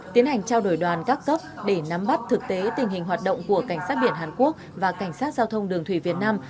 tiến hành trao đổi đoàn các cấp để nắm bắt thực tế tình hình hoạt động của cảnh sát biển hàn quốc và cảnh sát giao thông đường thủy việt nam